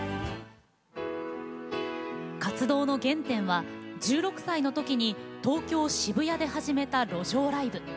活動の原点は、１６歳の時に東京・渋谷で始めた路上ライブ。